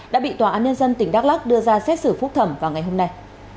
đã bị tòa án nhân dân tỉnh đắk lắc đưa ra xét xử phúc thẩm vào ngày hôm nay